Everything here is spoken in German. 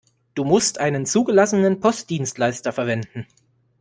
Du musst einen zugelassenen Postdienstleister verwenden.